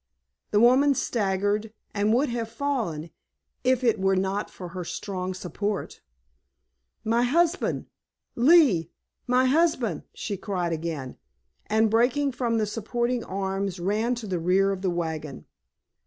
The woman staggered, and would have fallen if it were not for her strong support. "My husband—Lee—my husband!" she cried again, and breaking from the supporting arms ran to the rear of the wagon.